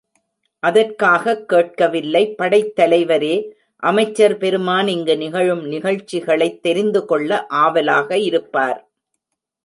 அதற்காகக் கேட்கவில்லை படைத்தலைவரே அமைச்சர் பெருமான் இங்கு நிகழும் நிகழ்ச்சிகளைத் தெரிந்துகொள்ள ஆவலாக இருப்பார்.